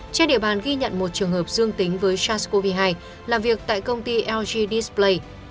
trên địa bàn ghi nhận một trường hợp dương tính với sars cov hai làm việc tại công ty lg dieplay